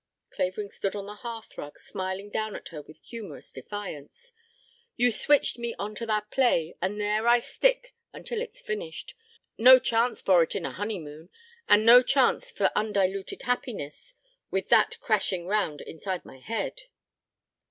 Clavering stood on the hearthrug smiling down at her with humorous defiance. "You switched me on to that play, and there I stick until it is finished. No chance for it in a honeymoon, and no chance for undiluted happiness with that crashing round inside my head."